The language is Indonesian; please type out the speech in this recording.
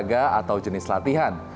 jenis olahraga atau jenis latihan